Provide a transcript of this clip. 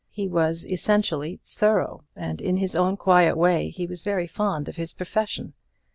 He was essentially "thorough;" and in his own quiet way he was very fond of his profession.